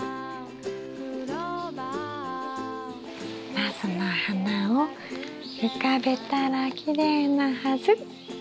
ナスの花を浮かべたらきれいなはず。